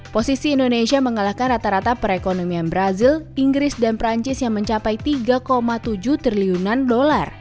posisi indonesia mengalahkan rata rata perekonomian brazil inggris dan perancis yang mencapai tiga tujuh triliunan dolar